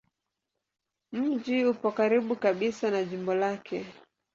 Mji upo karibu kabisa na jimbo lake.